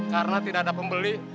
karena tidak ada pembeli